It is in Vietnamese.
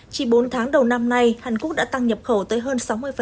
chỉ bốn tháng đầu năm nay hàn quốc đã tăng nhập khẩu tới hơn sáu mươi